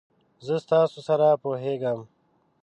زه ستاسو سره پوهیږم.